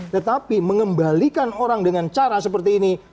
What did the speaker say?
tetapi mengembalikan orang dengan cara seperti ini